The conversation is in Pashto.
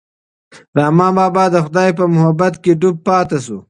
رحمان بابا د خدای په محبت کې ډوب پاتې شو.